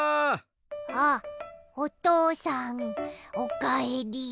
あっおとうさんおかえり。